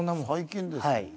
最近ですね。